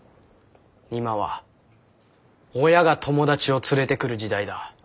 今は親が友達を連れてくる時代だ。